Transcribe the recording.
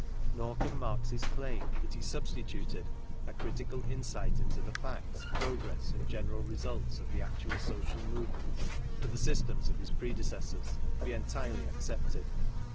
Nor can Marx's claim that he substituted " a critical insight into the facts, progress and general results of the actual social movement "for the systems of his predecessors, be entirely accepted